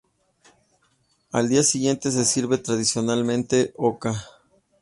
Al día siguiente se sirve tradicionalmente oca.